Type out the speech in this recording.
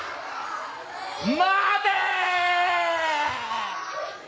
待て！